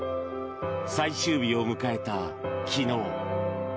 最終日を迎えた昨日。